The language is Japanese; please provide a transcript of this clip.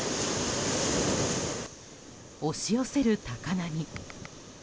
押し寄せる高波。